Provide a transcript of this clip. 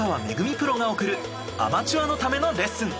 プロが贈るアマチュアのためのレッスン。